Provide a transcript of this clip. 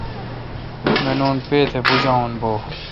منون پے تھہ بُجاوون بو°